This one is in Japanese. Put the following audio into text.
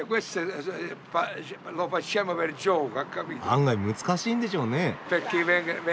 案外難しいんでしょうね。